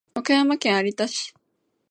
和歌山県有田市